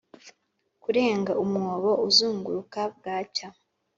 kurenga umwobo uzunguruka bwacya